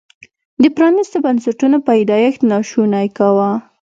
د پرانیستو بنسټونو پیدایښت ناشونی کاوه.